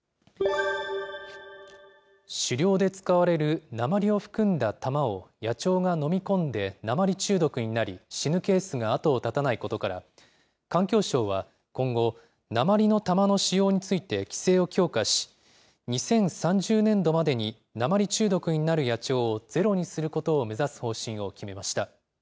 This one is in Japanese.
狩猟で使われる鉛を含んだ弾を、野鳥が飲み込んで鉛中毒になり、死ぬケースが後を絶たないことから、環境省は今後、鉛の弾の使用について規制を強化し、２０３０年度までに鉛中毒になる野鳥をゼロにすることを目指す方針を決めました。